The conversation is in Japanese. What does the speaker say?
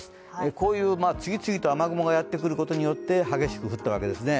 こういう次々と雨雲がやってくることによって激しく降ったわけですね。